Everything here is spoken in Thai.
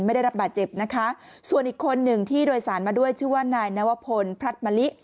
ได้รับบาดเจ็บนะคะส่วนอีกคนหนึ่งที่โดยสารมาด้วยชื่อว่านายนวพลัดมะลิ